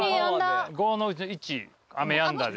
５のうちの１「雨やんだ」で。